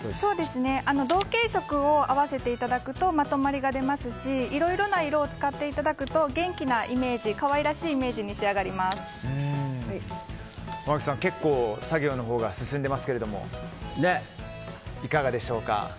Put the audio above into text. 同系色を合わせていただくとまとまりが出ますしいろいろな色を使っていただくと元気なイメージ可愛らしいイメージに濱口さん結構作業のほうが進んでいますけれどもいかがでしょうか。